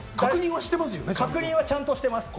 確認はちゃんとしてます。